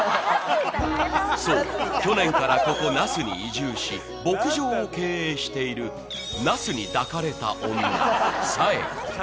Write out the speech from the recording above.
そう、去年からここ那須に移住し牧場を経営している那須に抱かれた女、紗栄子。